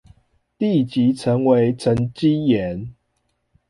立即成為沈積岩